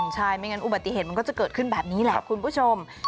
ใช่ไม่งั้นอุบัติเหตุมันก็จะเกิดขึ้นแบบนี้แหละคุณผู้ชม